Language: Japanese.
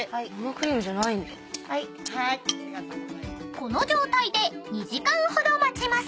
［この状態で２時間ほど待ちます］